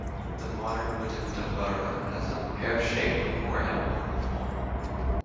The modern wooden dumbura has a pear-shaped or an oval form.